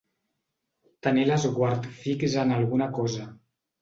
Tenir l'esguard fix en alguna cosa.